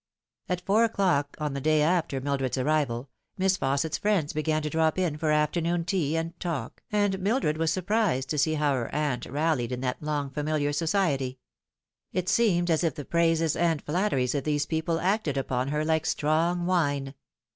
At four o'clock on the day after Mildred's arrival, Miss Fausset's friends began to drop in for afternoon tea and talk, and Mildred was surprised to see how her aunt rallied in that long familiar society. It seemed as if the praises and flatteries of these people acted upon her like strong wine.